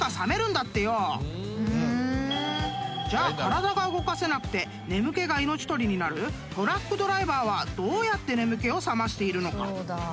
［じゃあ体が動かせなくて眠気が命取りになるトラックドライバーはどうやって眠気を覚ましているのか？］